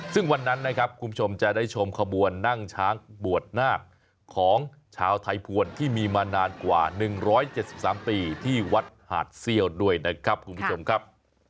ซึ่งวันนั้นนะครับคุณผู้ชมจะได้ชมขบวนนั่งช้างบวชนาคของชาวไทยภวรที่มีมานานกว่า๑๗๓ปีที่วัดหาดเซี่ยวด้วยนะครับคุณผู้ชมครับ